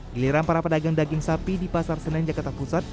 giliran para pedagang daging sapi di pasar senen jakarta pusat